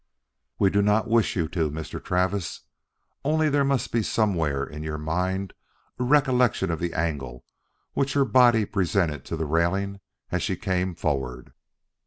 "We do not wish you to, Mr. Travis. Only there must be somewhere in your mind a recollection of the angle which her body presented to the railing as she came forward."